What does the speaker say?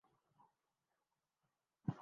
مختلف طریقہ علاج پر لگ چکے ہیں